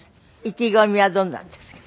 意気込みはどんなですか？